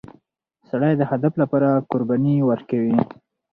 سړی د هدف لپاره قرباني ورکوي